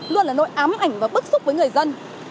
luôn là nỗi ám ảnh và bức xúc với người dân